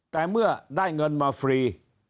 แต่เมื่อได้เงินมาฟรี